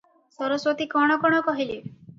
ସରସ୍ୱତୀ - କଣ-କଣ କହିଲେ?